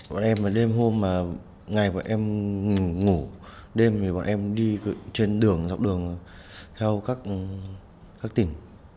bọn em đêm hôm mà ngày bọn em ngủ đêm thì bọn em đi trên đường dọc đường theo các tỉnh